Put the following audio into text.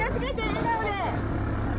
笑顔で。